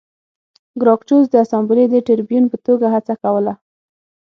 ګراکچوس د اسامبلې د ټربیون په توګه هڅه کوله